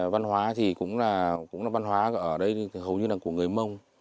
văn hóa thì cũng là văn hóa ở đây hầu như là của người mông